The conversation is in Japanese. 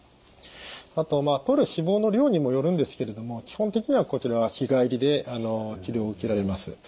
あととる脂肪の量にもよるんですけれども基本的にはこちらは日帰りで治療を受けられます。